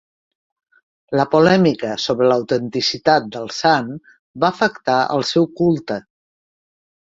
La polèmica sobre l'autenticitat del sant va afectar el seu culte.